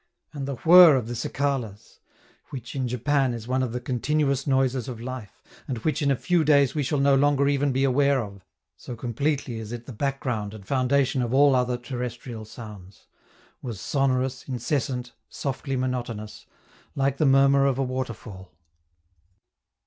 And the whirr of the cicalas which, in Japan, is one of the continuous noises of life, and which in a few days we shall no longer even be aware of, so completely is it the background and foundation of all other terrestrial sounds was sonorous, incessant, softly monotonous, like the murmur of a waterfall.